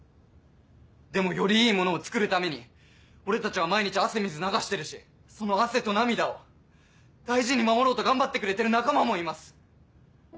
でもよりいいものを作るために俺たちは毎日汗水流してるしその汗と涙を大事に守ろうと頑張ってくれてる仲間もいます。